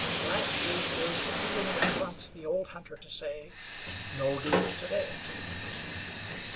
Lastly, there is the feeling that prompts the old hunter to say: "No game to day."